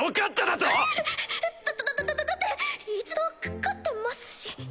だだだだって一度勝ってますし。